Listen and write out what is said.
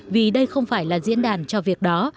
vì đây không phải là diễn đàn cho việc đó